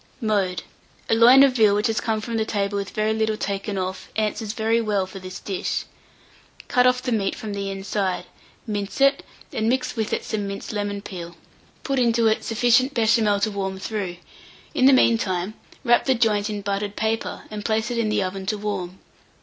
Mode. A loin of veal which has come from table with very little taken off, answers very well for this dish. Cut off the meat from the inside, mince it, and mix with it some minced lemon peel; put it into sufficient Béchamel to warm through. In the mean time, wrap the joint in buttered paper, and place it in the oven to warm.